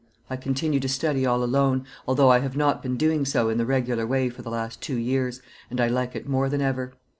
I continue to study all alone, although I have not been doing so in the regular way for the last two years, and I like it more than ever.